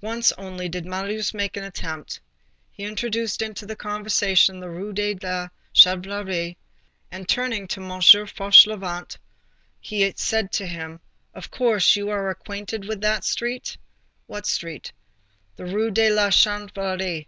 Once only, did Marius make the attempt. He introduced into the conversation the Rue de la Chanvrerie, and, turning to M. Fauchelevent, he said to him: "Of course, you are acquainted with that street?" "What street?" "The Rue de la Chanvrerie."